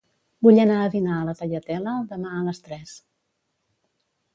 Vull anar a dinar a la Tagliatella demà a les tres.